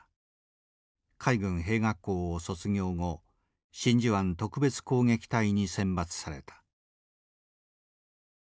海軍兵学校を卒業後真珠湾特別攻撃隊に選抜された。